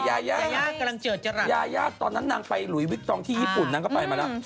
ยายาตอนนั้นนางไปหลุยวิกตองที่ญี่ปุ่นนางก็ไปมาแล้ว